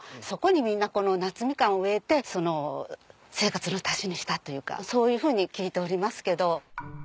そこにみんな夏みかんを植えて生活の足しにしたというかそういうふうに聞いておりますけど。